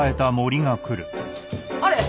あれ？